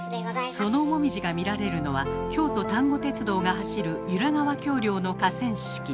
そのもみじが見られるのは京都丹後鉄道が走る由良川橋梁の河川敷。